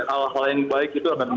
ala ala yang baik itu akan